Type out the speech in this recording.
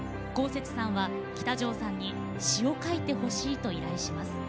こうせつさんは喜多條さんに詞を書いてほしいと依頼します。